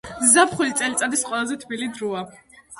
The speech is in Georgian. ზაფხული წელიწადის ყველაზე თბილი დროა.